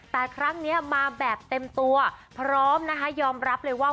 แต่ครั้งนี้มาแบบเต็มตัวพร้อมนะคะยอมรับเลยว่า